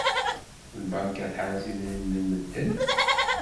Lbanka tḥerrez idrimen n medden.